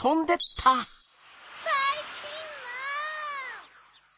ばいきんまん！